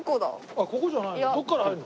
あっここじゃないの？